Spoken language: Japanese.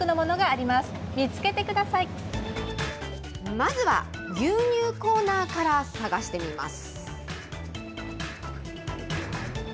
まずは、牛乳コーナーから探してみます。